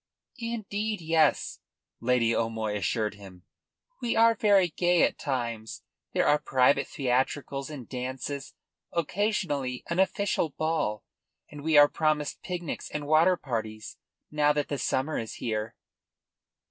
"Indeed yes," Lady O'Moy assured him. "We are very gay at times. There are private theatricals and dances, occasionally an official ball, and we are promised picnics and water parties now that the summer is here."